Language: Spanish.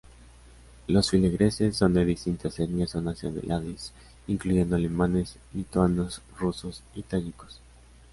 Los feligreses son de distintas etnias o nacionalidades incluyendo alemanes, lituanos, rusos y tayikos.